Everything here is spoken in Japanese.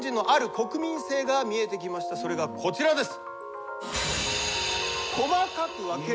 それがこちらです。